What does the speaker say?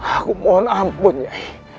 aku mohon ampun nyai